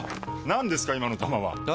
何ですか今の球は！え？